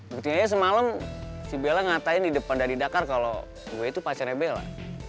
berarti aja semalam si bela ngatain di depan dhani dakar kalau gue itu pacarnya bela